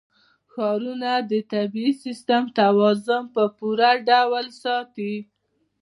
ښارونه د طبعي سیسټم توازن په پوره ډول ساتي.